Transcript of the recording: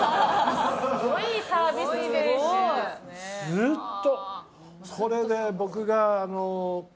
ずーっと。